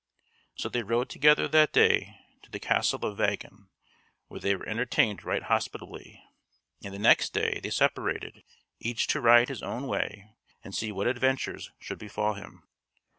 So they rode together that day to the Castle of Vagon, where they were entertained right hospitably, and the next day they separated, each to ride his own way and see what adventures should befall him.